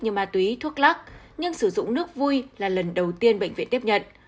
như ma túy thuốc lắc nhưng sử dụng nước vui là lần đầu tiên bệnh viện tiếp nhận